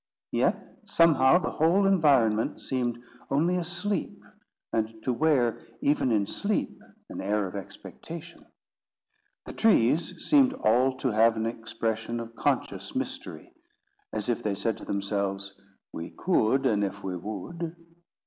Yet somehow the whole environment seemed only asleep, and to wear even in sleep an air of expectation. The trees seemed all to have an expression of conscious mystery, as if they said to themselves, "we could, an' if we would."